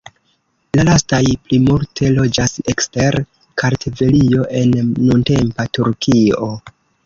La lastaj plimulte loĝas ekster Kartvelio, en nuntempa Turkio.